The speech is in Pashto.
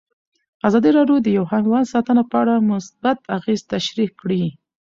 ازادي راډیو د حیوان ساتنه په اړه مثبت اغېزې تشریح کړي.